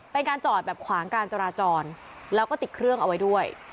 เป็นการจอดแบบขวางการจราจรแล้วก็ติดเครื่องเอาไว้ด้วย